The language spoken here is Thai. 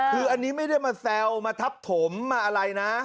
คืออันนี้ไม่ได้มาแซวมาทับถมมาอะไรนะ